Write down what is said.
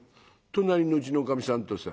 隣のうちのおかみさんとさねえ